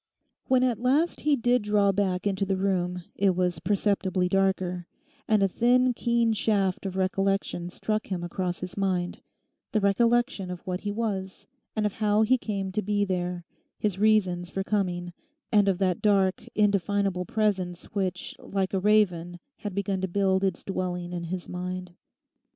When at last he did draw back into the room it was perceptibly darker, and a thin keen shaft of recollection struck across his mind—the recollection of what he was, and of how he came to be there, his reasons for coming and of that dark indefinable presence which like a raven had begun to build its dwelling in his mind.